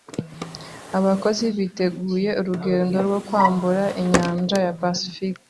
Abakozi biteguye urugendo rwo kwambuka inyanja ya pasifika.